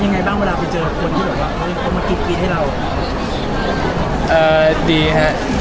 มีมีมีมีมีมีมีมีมีมีมีมีมีมีมีมีมีมี